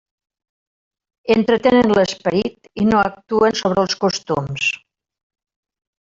Entretenen l'esperit i no actuen sobre els costums.